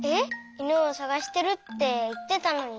いぬをさがしてるっていってたのに。